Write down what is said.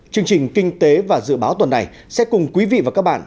chương trình kinh tế và dự báo tuần này sẽ cùng quý vị và các bạn